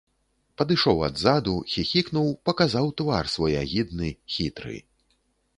Падышоў адзаду, хіхікнуў, паказаў твар свой агідны, хітры.